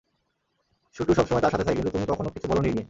শুটু সবসময় তার সাথে থাকে, কিন্তু তুমি কখনও কিছু বলোনি এই নিয়ে!